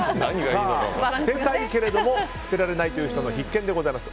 捨てたいけれども捨てられないという人必見でございます。